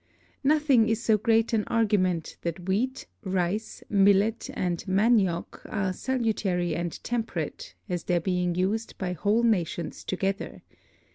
Nothing is so great an Argument that Wheat, Rice, Millet, and Manioc, are salutary and temperate, as their being used by whole Nations together.